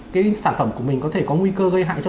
cái sản phẩm của mình có thể có nguy cơ gây hại cho